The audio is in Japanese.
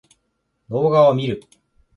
動画を見る